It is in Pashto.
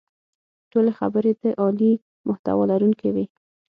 ټولې خبرې د عالي محتوا لرونکې وې.